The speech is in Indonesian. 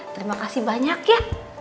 terima kasih banyak ya